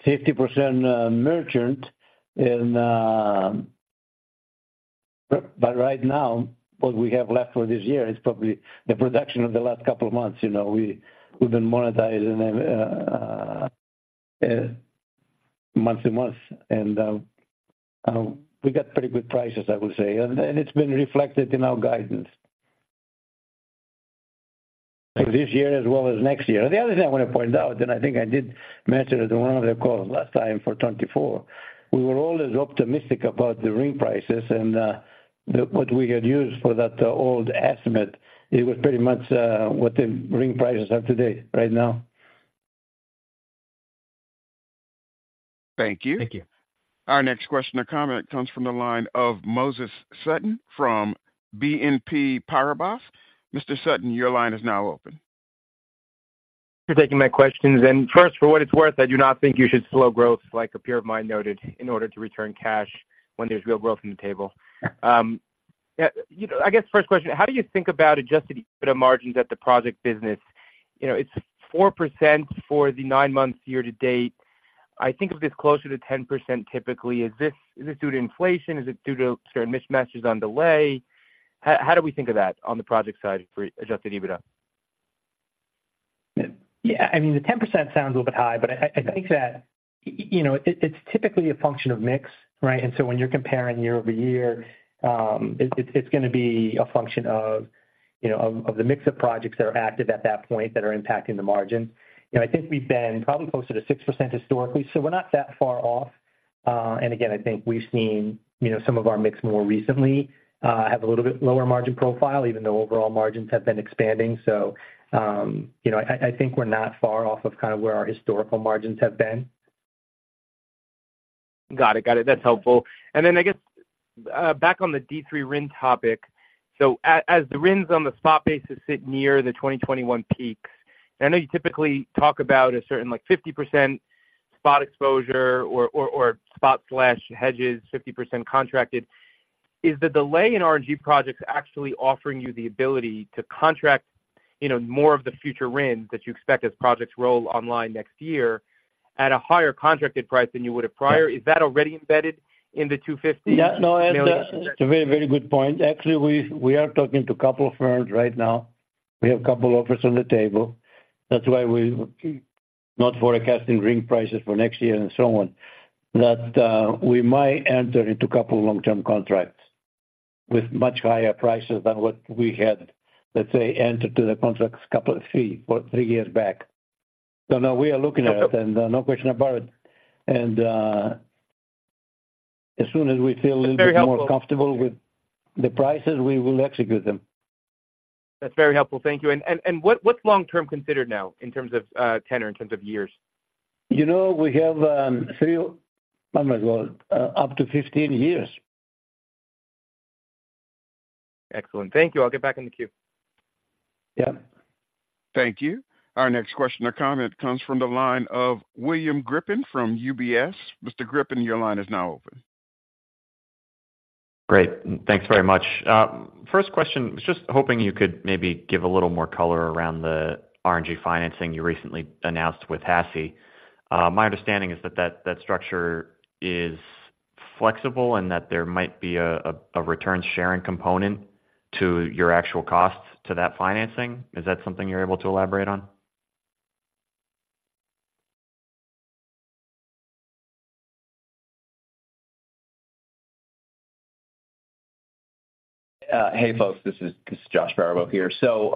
50% merchant in. But right now, what we have left for this year is probably the production of the last couple of months. You know, we've been monetizing month to month, and we got pretty good prices, I would say. And it's been reflected in our guidance. For this year as well as next year. The other thing I want to point out, and I think I did mention it in one of the calls last time for 2024, we were always optimistic about the RIN prices and the what we had used for that old estimate. It was pretty much what the RIN prices are today, right now. Thank you. Thank you. Our next question or comment comes from the line of Moses Sutton from BNP Paribas. Mr. Sutton, your line is now open. You're taking my questions, and first, for what it's worth, I do not think you should slow growth like a peer of mine noted, in order to return cash when there's real growth on the table. Yeah, you know, I guess first question, how do you think about Adjusted EBITDA margins at the project business? You know, it's 4% for the nine months year-to-date. I think of this closer to 10% typically. Is this, is this due to inflation? Is it due to certain mismatches on delay? How, how do we think of that on the project side for Adjusted EBITDA? Yeah, I mean, the 10% sounds a little bit high, but I think that, you know, it's typically a function of mix, right? And so when you're comparing year-over-year, it's gonna be a function of, you know, the mix of projects that are active at that point that are impacting the margin. You know, I think we've been probably closer to 6% historically, so we're not that far off. And again, I think we've seen, you know, some of our mix more recently have a little bit lower margin profile, even though overall margins have been expanding. So, you know, I think we're not far off of kind of where our historical margins have been. Got it. Got it. That's helpful. And then I guess, back on the D3 RIN topic. So as the RINs on the spot basis sit near the 2021 peaks, I know you typically talk about a certain, like, 50% spot exposure or, or, or spot/hedges, 50% contracted. Is the delay in RNG projects actually offering you the ability to contract, you know, more of the future RINs that you expect as projects roll online next year at a higher contracted price than you would have prior? Is that already embedded in the 250- Yeah, no, it's a very, very good point. Actually, we are talking to a couple of firms right now. We have a couple offers on the table. That's why we're not forecasting RIN prices for next year and so on. That we might enter into a couple of long-term contracts with much higher prices than what we had, let's say, entered to the contracts a couple of three, what, three years back. So no, we are looking at it, and no question about it. And as soon as we feel a little bit more comfortable with the prices, we will execute them. That's very helpful. Thank you. And what's long term considered now in terms of tenure, in terms of years? You know, we have... Oh, my God, up to 15 years. Excellent. Thank you. I'll get back in the queue. Yeah. Thank you. Our next question or comment comes from the line of William Griffin from UBS. Mr. Griffin, your line is now open. Great, thanks very much. First question, was just hoping you could maybe give a little more color around the RNG financing you recently announced with HASI. My understanding is that structure is flexible and that there might be a return sharing component to your actual costs to that financing. Is that something you're able to elaborate on?... Hey, folks, this is Josh Baribeau here. So,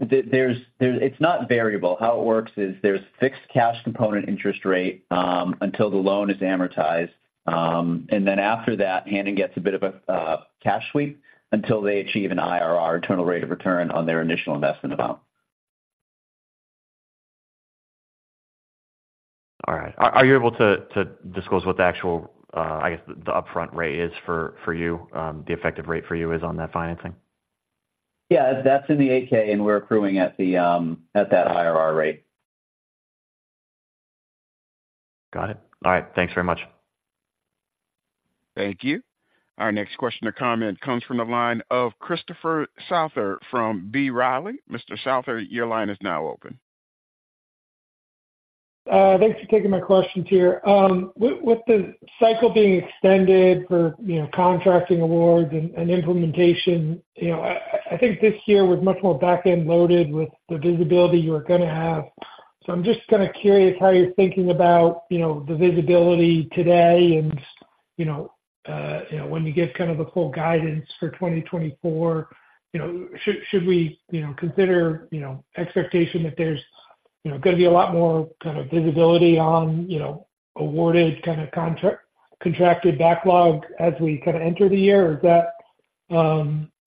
it's not variable. How it works is there's fixed cash component interest rate until the loan is amortized. And then after that, Hannon gets a bit of a cash sweep until they achieve an IRR, internal rate of return, on their initial investment amount. All right. Are you able to disclose what the actual, I guess, the upfront rate is for you, the effective rate for you is on that financing? Yeah, that's in the 8-K, and we're accruing at that IRR rate. Got it. All right, thanks very much. Thank you. Our next question or comment comes from the line of Christopher Souther from B. Riley. Mr. Souther, your line is now open. Thanks for taking my questions here. With the cycle being extended for, you know, contracting awards and implementation, you know, I think this year was much more back-end loaded with the visibility you were gonna have. So I'm just kind of curious how you're thinking about, you know, the visibility today and, you know, when you give kind of a full guidance for 2024, you know, should we, you know, consider expectation that there's, you know, gonna be a lot more kind of visibility on, you know, awarded kind of contracted backlog as we kind of enter the year? Or is that,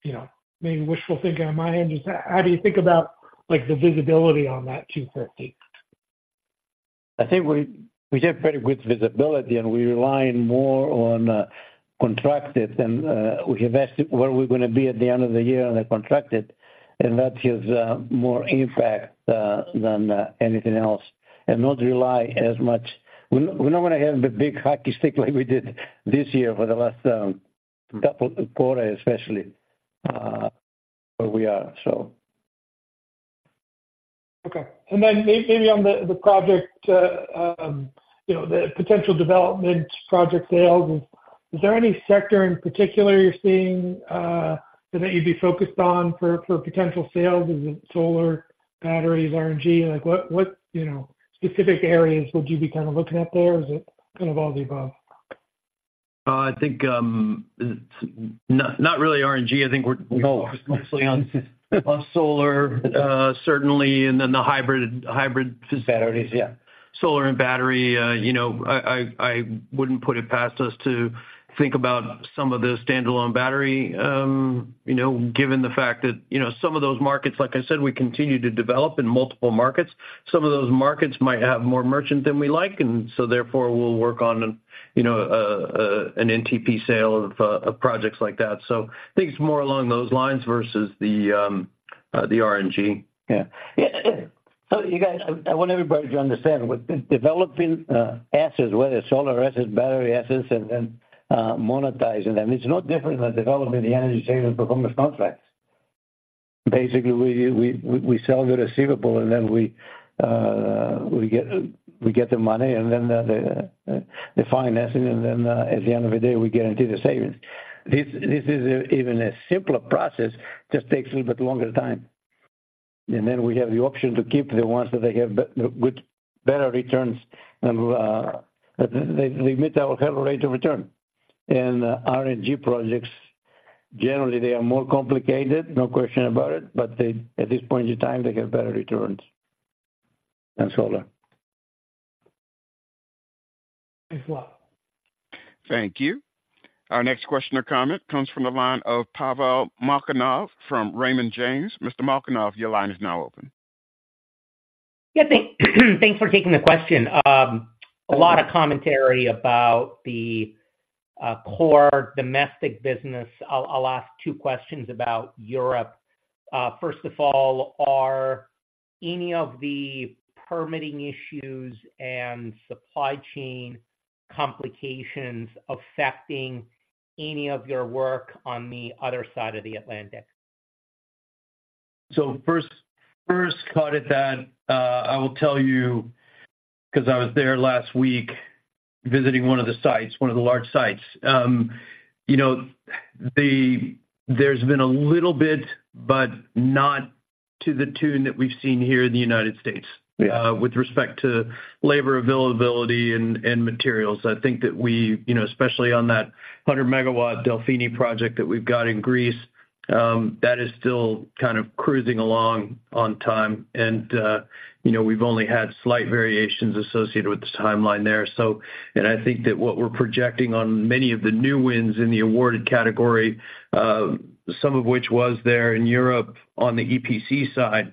you know, maybe wishful thinking on my end? Just how do you think about, like, the visibility on that 250? I think we have very good visibility, and we're relying more on contracted than we invest where we're gonna be at the end of the year on the contracted, and that gives more impact than anything else, and not rely as much... We're not gonna have a big hockey stick like we did this year for the last couple of quarter, especially where we are, so. Okay. And then maybe on the project, you know, the potential development project sales, is there any sector in particular you're seeing that you'd be focused on for potential sales? Is it solar, batteries, RNG? Like, what you know, specific areas would you be kind of looking at there, or is it kind of all the above? I think, not really RNG. I think we're- No - mostly on solar, certainly, and then the hybrid- Batteries, yeah. Solar and battery. You know, I wouldn't put it past us to think about some of the standalone battery, you know, given the fact that, you know, some of those markets, like I said, we continue to develop in multiple markets. Some of those markets might have more merchant than we like, and so therefore, we'll work on, you know, an NTP sale of projects like that. So I think it's more along those lines versus the RNG. Yeah. Yeah, so you guys, I want everybody to understand, with developing assets, whether solar assets, battery assets, and then monetizing them, it's no different than developing the energy savings and performance contracts. Basically, we sell the receivable, and then we get the money, and then the financing, and then at the end of the day, we guarantee the savings. This is even a simpler process, just takes a little bit longer time. And then we have the option to keep the ones that they have better returns than they meet our rate of return. And RNG projects, generally, they are more complicated, no question about it, but they, at this point in time, they have better returns than solar. As well. Thank you. Our next question or comment comes from the line of Pavel Molchanov from Raymond James. Mr. Molchanov, your line is now open. Yeah, thanks for taking the question. A lot of commentary about the core domestic business. I'll ask two questions about Europe. First of all, are any of the permitting issues and supply chain complications affecting any of your work on the other side of the Atlantic? So first, first part of that, I will tell you, 'cause I was there last week visiting one of the sites, one of the large sites. You know, there's been a little bit, but not to the tune that we've seen here in the United States- Yeah... with respect to labor availability and materials. I think that we, you know, especially on that 100-megawatt Delfini project that we've got in Greece, that is still kind of cruising along on time. And, you know, we've only had slight variations associated with the timeline there. So, and I think that what we're projecting on many of the new wins in the awarded category, some of which was there in Europe on the EPC side,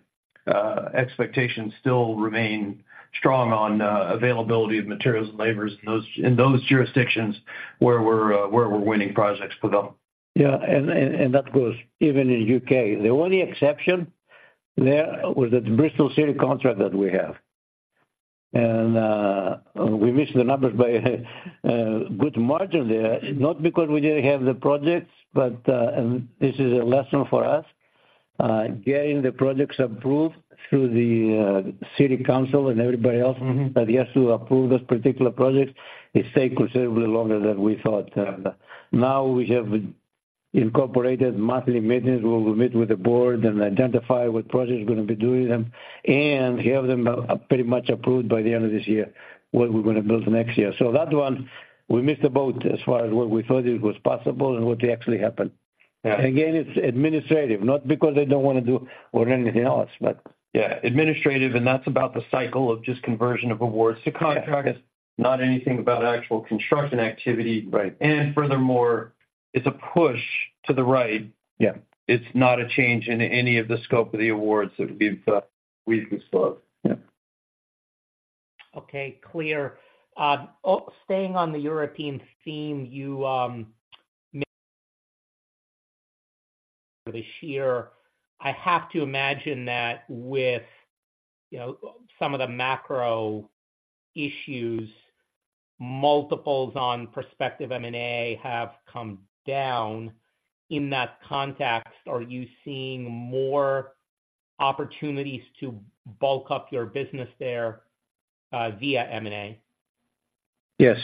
expectations still remain strong on, availability of materials and labor in those jurisdictions where we're winning projects for them. Yeah, and that goes even in U.K. The only exception there was the Bristol City contract that we have. And we missed the numbers by a good margin there, not because we didn't have the projects, but and this is a lesson for us. Getting the projects approved through the city council and everybody else- Mm-hmm - that has to approve those particular projects, it take considerably longer than we thought. Now we have incorporated monthly meetings, where we meet with the board and identify what projects we're gonna be doing, and have them, pretty much approved by the end of this year, what we're gonna build next year. So that one, we missed the boat as far as what we thought it was possible and what actually happened. Yeah, again, it's administrative, not because they don't wanna do or anything else, but- Yeah, administrative, and that's about the cycle of just conversion of awards to contracts. Yeah. Not anything about actual construction activity. Right. Furthermore, it's a push to the right. Yeah. It's not a change in any of the scope of the awards that have been. We've been slowed. Yeah. Okay, clear. Oh, staying on the European theme, you, this year, I have to imagine that with, you know, some of the macro issues, multiples on prospective M&A have come down. In that context, are you seeing more opportunities to bulk up your business there, via M&A? Yes.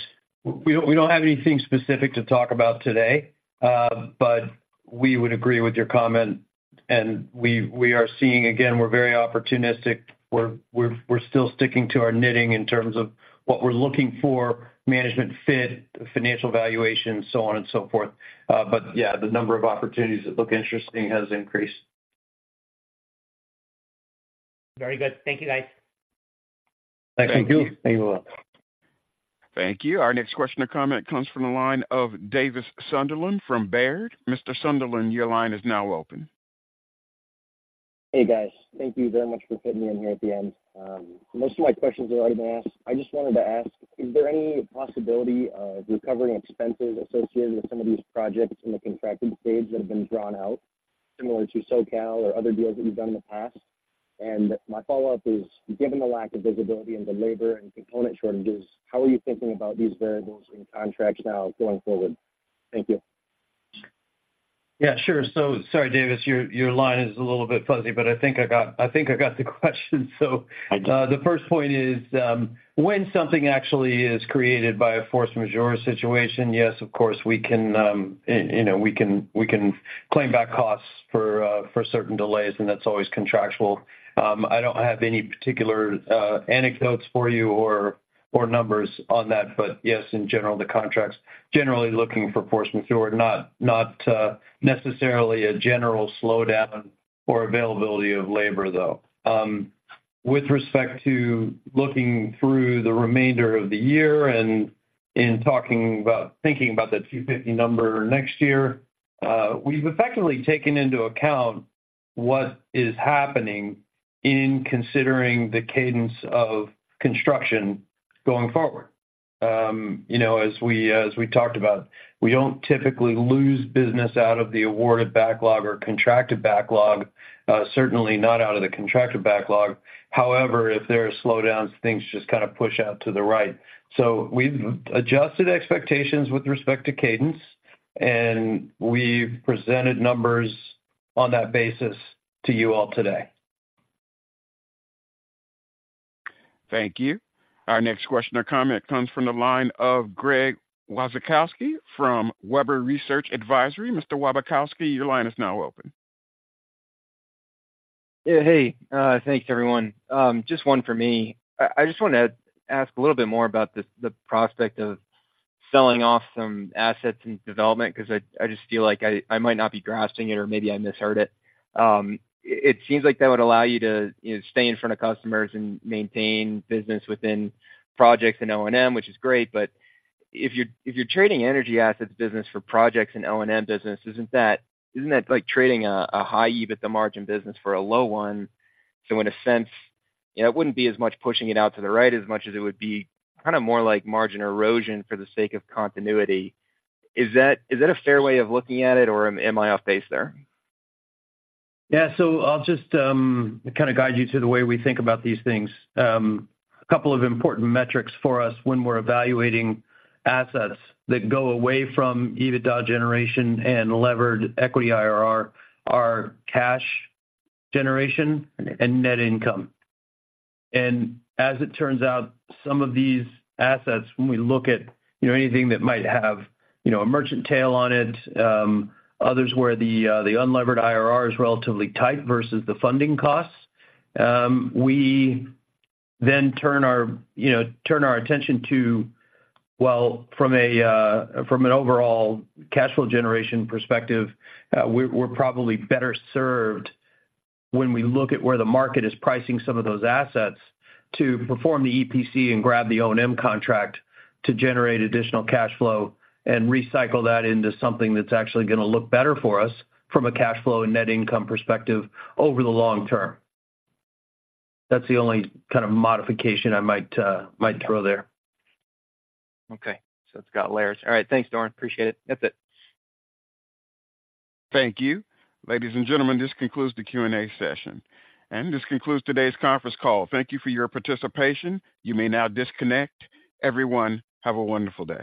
We don't have anything specific to talk about today, but we would agree with your comment, and we are seeing... Again, we're very opportunistic. We're still sticking to our knitting in terms of what we're looking for, management fit, financial valuation, so on and so forth. But yeah, the number of opportunities that look interesting has increased. Very good. Thank you, guys. Thank you. Thank you. Thank you. Our next question or comment comes from the line of Davis Sunderland from Baird. Mr. Sunderland, your line is now open. Hey, guys. Thank you very much for fitting me in here at the end. Most of my questions have already been asked. I just wanted to ask, is there any possibility of recovering expenses associated with some of these projects in the contracted stage that have been drawn out, similar to SoCal or other deals that you've done in the past? And my follow-up is: given the lack of visibility into labor and component shortages, how are you thinking about these variables in contracts now going forward? Thank you. Yeah, sure. So sorry, Davis, your, your line is a little bit fuzzy, but I think I got, I think I got the question. So- I did. The first point is, when something actually is created by a force majeure situation, yes, of course, we can, you know, we can claim back costs for certain delays, and that's always contractual. I don't have any particular anecdotes for you or numbers on that, but yes, in general, the contracts generally looking for force majeure, not necessarily a general slowdown or availability of labor, though. With respect to looking through the remainder of the year and in talking about, thinking about that $250 number next year, we've effectively taken into account what is happening in considering the cadence of construction going forward. You know, as we talked about, we don't typically lose business out of the awarded backlog or contracted backlog, certainly not out of the contracted backlog. However, if there are slowdowns, things just kind of push out to the right. So we've adjusted expectations with respect to cadence, and we've presented numbers on that basis to you all today. Thank you. Our next question or comment comes from the line of Greg Wasikowski from Webber Research & Advisory. Mr. Wasikowski, your line is now open. Yeah. Hey, thanks, everyone. Just one for me. I just wanna ask a little bit more about the prospect of selling off some assets and development, 'cause I just feel like I might not be grasping it or maybe I misheard it. It seems like that would allow you to, you know, stay in front of customers and maintain business within projects and O&M, which is great. But if you're trading energy assets business for projects and O&M business, isn't that like trading a high EBIT margin business for a low one? So in a sense, you know, it wouldn't be as much pushing it out to the right as much as it would be kind of more like margin erosion for the sake of continuity. Is that, is that a fair way of looking at it, or am I off base there? Yeah. So I'll just kind of guide you to the way we think about these things. A couple of important metrics for us when we're evaluating assets that go away from EBITDA generation and levered equity IRR are cash generation and net income. As it turns out, some of these assets, when we look at, you know, anything that might have, you know, a merchant tail on it, others where the unlevered IRR is relatively tight versus the funding costs, we then turn our attention to, well, from an overall cash flow generation perspective, we're probably better served when we look at where the market is pricing some of those assets to perform the EPC and grab the O&M contract to generate additional cash flow and recycle that into something that's actually gonna look better for us from a cash flow and net income perspective over the long term. That's the only kind of modification I might throw there. Okay, so it's got layers. All right. Thanks, Doran. Appreciate it. That's it. Thank you. Ladies and gentlemen, this concludes the Q&A session, and this concludes today's conference call. Thank you for your participation. You may now disconnect. Everyone, have a wonderful day.